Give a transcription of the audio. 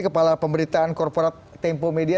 kepala pemberitaan korporat tempo media